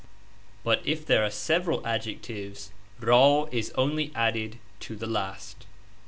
But if there are several adjectives U ra is only added to the last.